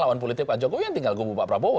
lawan politik pak jokowi yang tinggal kubu pak prabowo